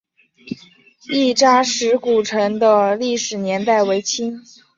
亦扎石古城的历史年代为清。